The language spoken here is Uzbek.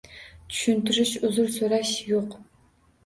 Tushuntirish, uzr so‘rash yo‘q.